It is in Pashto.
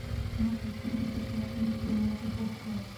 ما په تېرو دوو ساعتونو کې یوازې خوب کاوه.